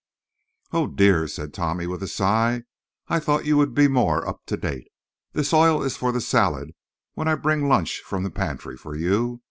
"Oh, dear," said Tommy, with a sigh. "I thought you would be more up to date. This oil is for the salad when I bring lunch from the pantry for you.